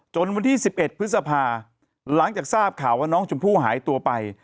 วันที่๑๑พฤษภาหลังจากทราบข่าวว่าน้องชมพู่หายตัวไป